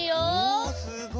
おすごい！